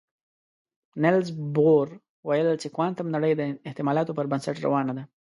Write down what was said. نيلز بور ویل چې کوانتم نړۍ د احتمالاتو پر بنسټ روانه ده.